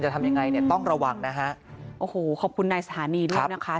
ทำยังไงเนี่ยต้องระวังนะฮะโอ้โหขอบคุณนายสถานีด้วยนะคะ